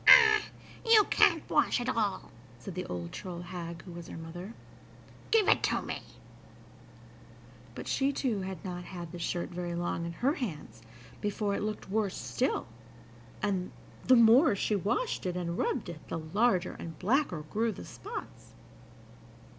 "Ah! you can't wash at all," said the old troll hag, who was her mother. "Give it to me." But she too had not had the shirt very long in her hands before it looked worse still, and, the more she washed it and rubbed it, the larger and blacker grew the spots.